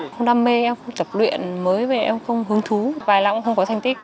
không đam mê em không tập luyện mới với em không hứng thú vài lãng không có thành tích